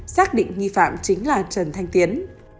xác định nghi phạm chính là trần thanh tiến